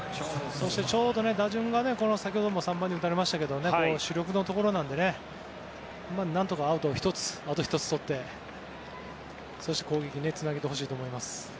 ちょうど打順が先ほども３番に打たれましたが主力のところなので何とかアウト１つとって次の攻撃につなげてほしいと思います。